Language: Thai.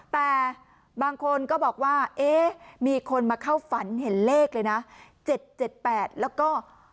แต่บางคนก็บอกว่าเอ๊ะมีคนมาเข้าฝันเห็นเลขเลยนะ๗๗๘แล้วก็